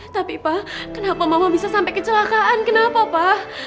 tapi pa kenapa mama bisa sampai kecelakaan kenapa pa